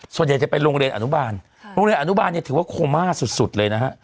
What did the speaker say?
ส่วนใหญ่จะไปโรงเรียนอนุบาลโรงเรียนอนุบาลเนี่ยถือว่าโคม่าสุดเลยนะฮะ